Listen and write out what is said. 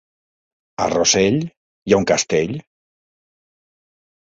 A Rossell hi ha un castell?